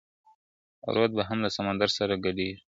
رود به هم له سمندر سره ګډیږي ,